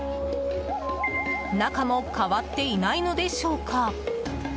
中も変わっていないのでしょうか？